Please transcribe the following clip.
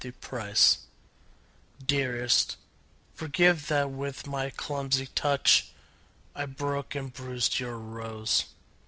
Stupidity Dearest, forgive that with my clumsy touch I broke and bruised your rose.